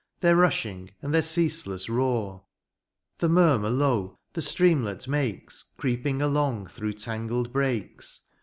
Their rushing and their ceaseless roar ;. The murmur low the streamlet makes Creeping along through tangled brakes.